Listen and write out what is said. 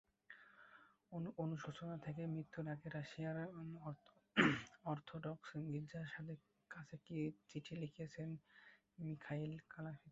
অনুশোচনা থেকে মৃত্যুর আগে রাশিয়ার অর্থোডক্স গির্জার কাছে চিঠি লিখেছিলেন মিখাইল কালাশনিকভ।